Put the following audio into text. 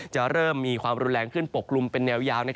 จะเริ่มมีความรุนแรงขึ้นปกกลุ่มเป็นแนวยาว